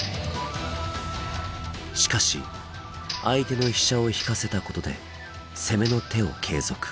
しかし相手の飛車を引かせたことで攻めの手を継続。